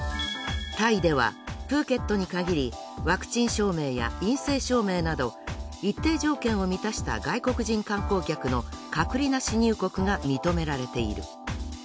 タイではプーケットに限りワクチン証明や陰性証明など一定条件を満たした外国人観光客の隔離なし入国が認められている。